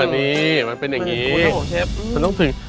นี่มันเป็นอย่างงี้